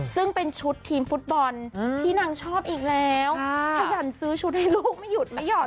ซึ่งเป็นชุดทีมฟุตบอลที่นางชอบอีกแล้วขยันซื้อชุดให้ลูกไม่หยุดไม่ยอม